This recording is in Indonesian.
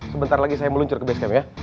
sebentar lagi saya meluncur ke basecamp ya